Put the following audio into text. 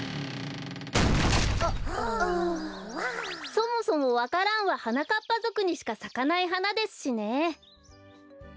そもそもわか蘭ははなかっぱぞくにしかさかないはなですしね。